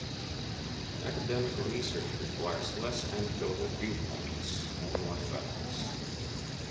Academic research requires less anecdotal viewpoints and more facts.